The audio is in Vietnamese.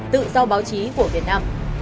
tự do báo chí của việt nam